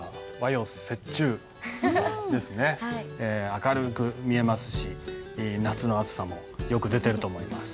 明るく見えますし夏の暑さもよく出てると思います。